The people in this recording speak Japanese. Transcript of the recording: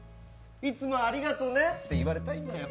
「いつもありがとね」って言われたいんだよ。